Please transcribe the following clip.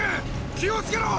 気を付けろ。